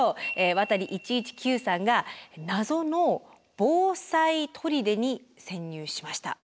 ワタリ１１９さんが謎の防災砦に潜入しました。